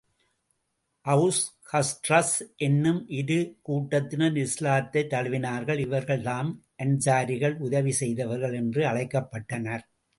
Aws, Khazraj என்னும் இரு கூட்டத்தினர் இஸ்லாத்தைத் தழுவினார்கள் இவர்கள்தாம் அன்ஸாரிகள் உதவி செய்தவர்கள் என்று அழைக்கப்பட்டனர்.